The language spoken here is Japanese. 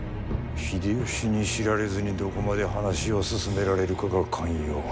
秀吉に知られずにどこまで話を進められるかが肝要。